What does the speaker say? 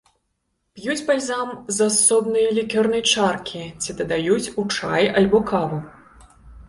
П'юць бальзам з асобнай лікёрнай чаркі ці дадаюць у чай альбо каву.